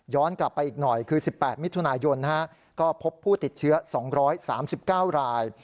กลับไปอีกหน่อยคือ๑๘มิถุนายนก็พบผู้ติดเชื้อ๒๓๙ราย